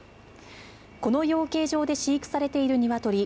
この養鶏場で飼育されているニワトリ